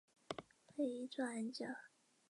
为一座暗礁。